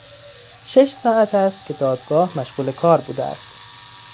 شش ساعت است که دادگاه مشغول کار بوده است.